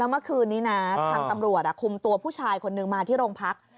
เมื่อคืนนี้นะทางตำรวจคุมตัวผู้ชายคนนึงมาที่โรงพัก